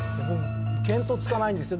見当つかないんですよ。